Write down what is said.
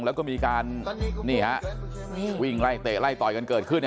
แล้วก็มีการวิ่งไล่เตะไล่ต่อยกันเกิดขึ้น